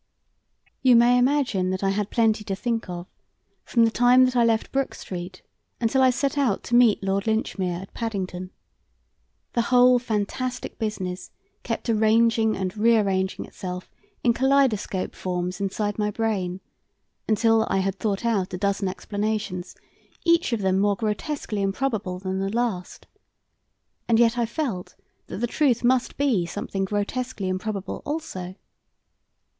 You may imagine that I had plenty to think of from the time that I left Brook Street until I set out to meet Lord Linchmere at Paddington. The whole fantastic business kept arranging and rearranging itself in kaleidoscopic forms inside my brain, until I had thought out a dozen explanations, each of them more grotesquely improbable than the last. And yet I felt that the truth must be something grotesquely improbable also.